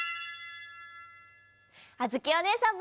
あづきおねえさんも！